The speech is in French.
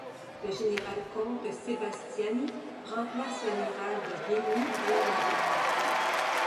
Le général-comte Sébastiani remplace l'amiral de Rigny à la Marine.